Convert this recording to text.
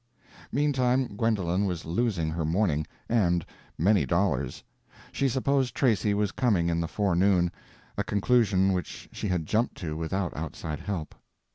Meantime Gwendolen was losing her morning, and many dollars. She supposed Tracy was coming in the forenoon—a conclusion which she had jumped to without outside help.